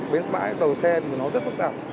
bến bãi tàu xe thì nó rất phức tạp